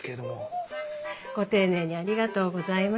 ご丁寧にありがとうございます。